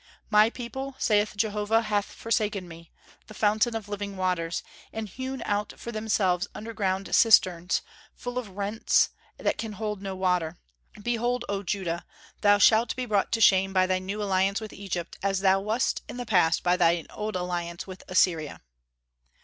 "My people, saith Jehovah, have forsaken me, the fountain of living waters, and hewn out for themselves underground cisterns, full of rents, that can hold no water.... Behold, O Judah! thou shalt be brought to shame by thy new alliance with Egypt, as thou wast in the past by thy old alliance with Assyria."